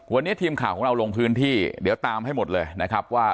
วันนี้ทีมข่าวของเราลงพื้นที่เดี๋ยวตามให้หมดเลยนะครับว่า